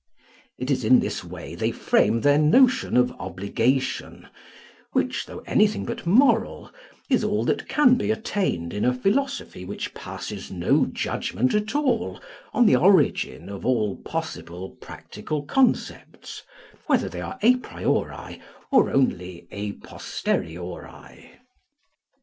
It is in this way they frame their notion of obligation, which, though anything but moral, is all that can be attained in a philosophy which passes no judgement at all on the origin of all possible practical concepts, whether they are a priori, or only a posteriori.